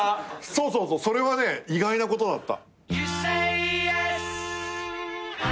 そうそうそうそれはね意外なことだった。